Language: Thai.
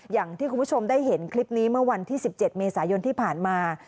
อย่างที่คุณผู้ชมได้เห็นคลิปนี้เมื่อวันที่๑๗เมษายนที่ผ่านมา